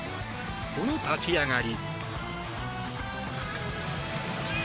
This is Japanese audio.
その立ち上がり。